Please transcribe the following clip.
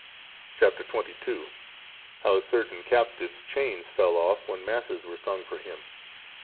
Chap. XXII. How a certain captive's chains fell off when Masses were sung for him.